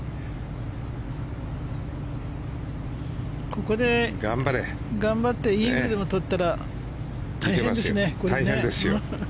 ここで頑張ってイーグルでも取ったら大変ですね。